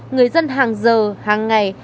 người dân hàng giờ hàng ngày